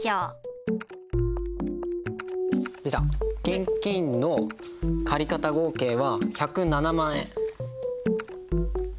現金の借方合計は１０７万円。